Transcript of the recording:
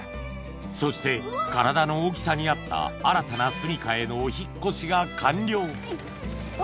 そして体の大きさに合った新たな住処へのお引っ越しが完了お！